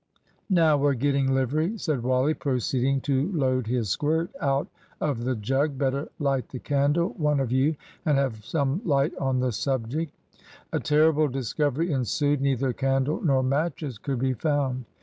"Now we're getting livery," said Wally, proceeding to load his squirt out of the jug. "Better light the candle, one of you, and have some light on the subject." A terrible discovery ensued. Neither candle nor matches could be found!